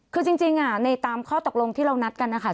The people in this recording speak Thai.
คือจริงในตามข้อตกลงที่เรานัดกันนะคะ